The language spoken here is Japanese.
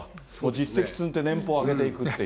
実績積んで、年俸を上げていくっ